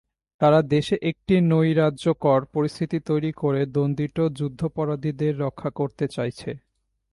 তারা দেশে একটি নৈরাজ্যকর পরিস্থিতি তৈরি করে দণ্ডিত যুদ্ধাপরাধীদের রক্ষা করতে চাইছে।